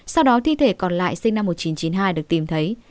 sau đó thi thể còn lại sinh năm một nghìn chín trăm chín mươi hai được tìm thấy